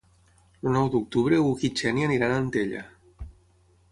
El nou d'octubre n'Hug i na Xènia iran a Antella.